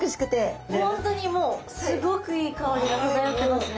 本当にもうすごくいい香りが漂ってますね。